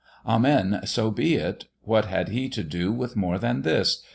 "Amen, so be it:" what had he to do With more than this?